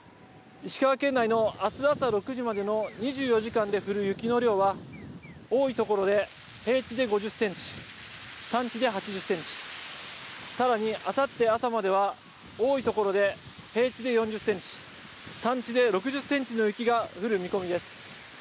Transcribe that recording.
石川県内のあす朝６時までの２４時間で降る雪の量は、多い所で平地で５０センチ、山地で８０センチ、さらにあさって朝までは多い所で平地で４０センチ、山地で６０センチの雪が降る見込みです。